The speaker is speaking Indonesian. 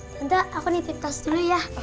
tante aku nitip tas dulu ya